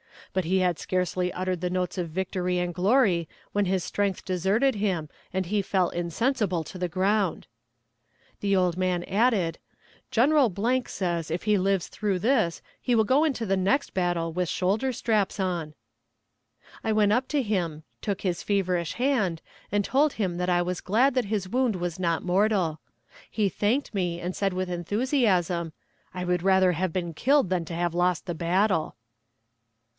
But he had scarcely uttered the notes of victory and glory when his strength deserted him and he fell insensible to the ground." The old man added: "General says if he lives through this he will go into the next battle with shoulder straps on." I went up to him, took his feverish hand, and told him that I was glad that his wound was not mortal. He thanked me, and said with enthusiasm, "I would rather have been killed than to have lost the battle."